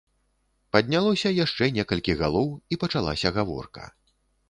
Паднялося яшчэ некалькі галоў, і пачалася гаворка.